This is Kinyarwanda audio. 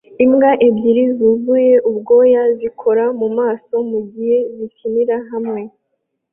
Imbwa ebyiri zuzuye ubwoya zikora mumaso mugihe zikinira hamwe